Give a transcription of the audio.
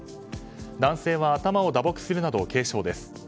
男性は頭を打撲するなど軽傷です。